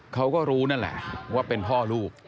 เขาก็รู้นั่นแหละว่าเป็นพ่อลูก